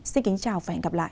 xin kính chào và hẹn gặp lại